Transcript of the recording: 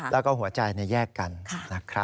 แล้วก็หัวใจแยกกันนะครับ